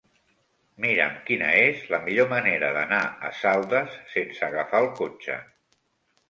Mira'm quina és la millor manera d'anar a Saldes sense agafar el cotxe.